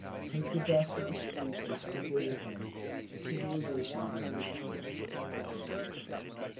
Take the dust of the streets and sprinkle your head, The civilization we've worked for is dead.